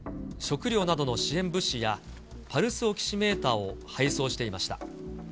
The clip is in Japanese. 食料などの支援物資やパルスオキシメーターを配送していました。